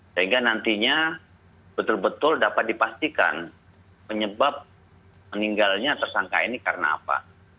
sehingga nantinya betul betul dapat dipastikan penyebab meninggalnya tersangka ini karena apa